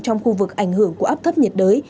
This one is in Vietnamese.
trong khu vực ảnh hưởng của áp thấp nhiệt đới